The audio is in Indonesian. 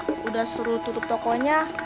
sudah suruh tutup tokonya